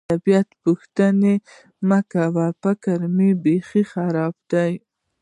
د طبیعت پوښتنه مې مه کوه، فکر مې بېخي خراب دی.